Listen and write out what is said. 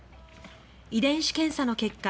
遺伝子検査の結果